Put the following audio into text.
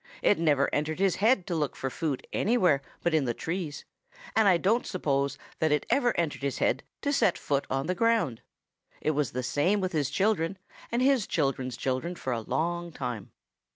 It never entered his head to look for food anywhere but in the trees, and I don't suppose that it ever entered his head to set foot on the ground. It was the same with his children and his children's children for a long time.